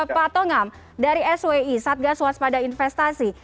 pak tongam dari swi satgas waspada investasi